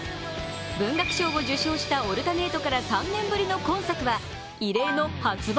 文学賞を受賞した「オルタネート」から３年ぶりの今作は、異例の発売